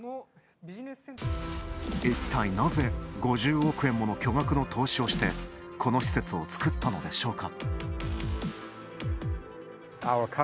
いったいなぜ５０億円もの巨額の投資をして、この施設を作ったのでしょうか。